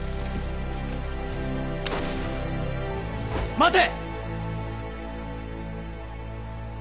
待て！